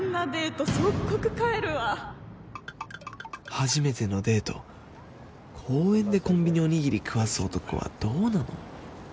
初めてのデート公園でコンビニおにぎり食わす男はどうなの？